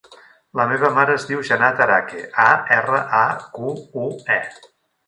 La meva mare es diu Janat Araque: a, erra, a, cu, u, e.